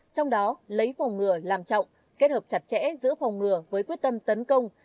trong đó lấy phòng ngừa làm trọng kết hợp chặt chẽ giữa phòng ngừa với quyết tâm tấn công